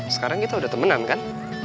sekarang kita udah temenan kan